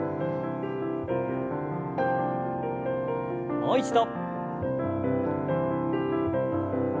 もう一度。